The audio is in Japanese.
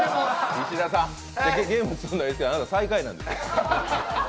石田さん、ゲームするのはいいけど、あなた最下位なんです。